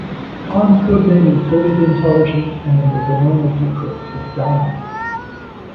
Kahn's code name in Soviet intelligence and in the Venona decrypts is Dinah.